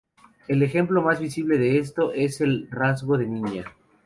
El ejemplo más visible de esto es en el rasgo de ninja.